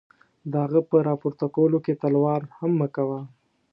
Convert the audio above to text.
د هغه په را پورته کولو کې تلوار هم مه کوه.